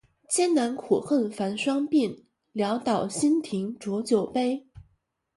艰难苦恨繁霜鬓，潦倒新停浊酒杯